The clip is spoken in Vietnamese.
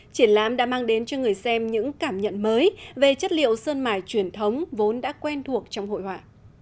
triển lãm đã mang đến cho người xem những cảm nhận mới về chất liệu sơn mải truyền thống vốn đã quen thuộc trong hội họa